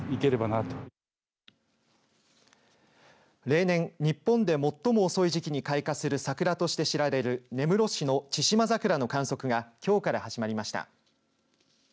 例年、日本で最も遅い時期に開花する桜として知られる根室市のチシマザクラの観測がきょうから始まりました。